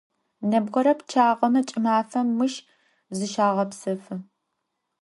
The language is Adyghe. Nebgıre pççağeme ç'ımafem mış zışağepsefı.